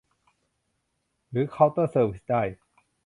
หรือเคาน์เตอร์เซอร์วิสได้